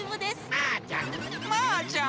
マーちゃん。